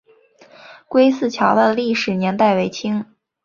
归驷桥的历史年代为清。